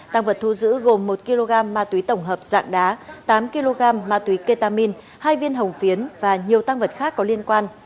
tăng vật thu giữ gồm một kg ma túy tổng hợp dạng đá tám kg ma túy ketamin hai viên hồng phiến và nhiều tăng vật khác có liên quan